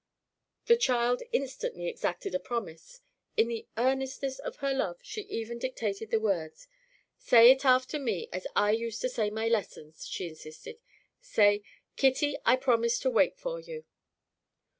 The child instantly exacted a promise. In the earnestness of her love she even dictated the words. "Say it after me, as I used to say my lessons," she insisted. "Say, 'Kitty, I promise to wait for you.